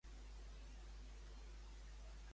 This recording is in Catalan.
A quina criatura veneraven, els templers?